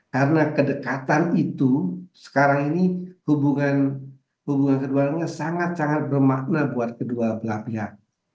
karena kedekatan itu sekarang ini hubungan kedua negara sangat sangat bermakna buat kedua belah pihak